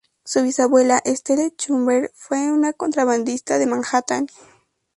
Su bisabuela, Estelle Schumer, fue una contrabandista en Manhattan.